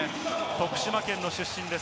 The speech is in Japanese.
徳島県出身です。